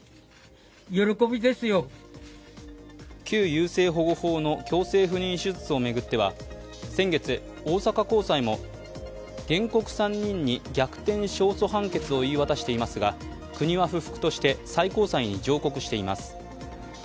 旧優生保護法の強制不妊手術を巡っては先月、大阪高裁も原告３人に逆転勝訴判決を言い渡していますが国は不服として最高裁に上告しています。